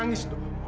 dia nangis doh